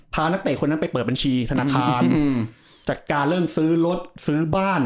นักเตะคนนั้นไปเปิดบัญชีธนาคารจัดการเรื่องซื้อรถซื้อบ้าน